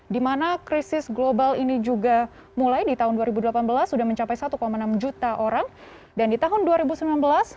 dua ribu delapan belas di mana krisis global ini juga mulai di tahun dua ribu delapan belas sudah mencapai satu enam juta orang dan di tahun dua ribu sembilan belas dua lima juta